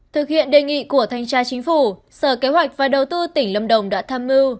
thực hiện đề nghị của thanh tra chính phủ sở kế hoạch và đầu tư tỉnh lâm đồng đã tham mưu